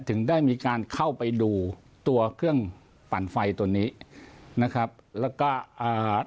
ถึงได้มีการเข้าไปดูตัวเครื่องปั่นไฟตัวนี้นะครับแล้วก็อ่า